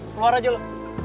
keluar aja lo